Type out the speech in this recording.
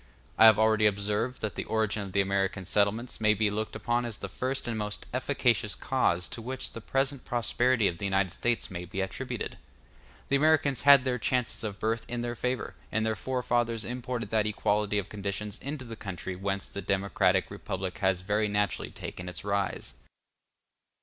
I have already observed that the origin of the American settlements may be looked upon as the first and most efficacious cause to which the present prosperity of the United States may be attributed. The Americans had the chances of birth in their favor, and their forefathers imported that equality of conditions into the country whence the democratic republic has very naturally taken its rise.